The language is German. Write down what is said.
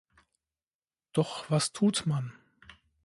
Doch was tut man?